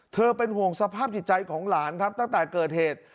เป็นห่วงสภาพจิตใจของหลานครับตั้งแต่เกิดเหตุ